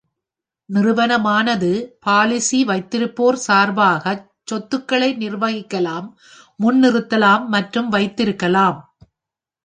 நிறுவனமானது பாலிசி வைத்திருப்போர் சார்பாகச் சொத்துகளை நிர்வகிக்கலாம், முன்னிறுத்தலாம் மற்றும் வைத்திருக்கலாம்.